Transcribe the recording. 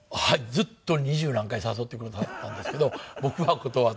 ずっと二十何回誘ってくれてはったんですけど僕は断って。